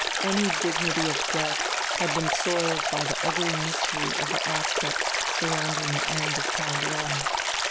Any dignity of death had been soiled by the ugly mystery of the aspects surrounding the end of Taou Yuen.